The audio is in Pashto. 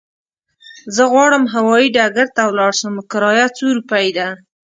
زه غواړم هوايي ډګر ته ولاړ شم، کرايه څو روپی ده؟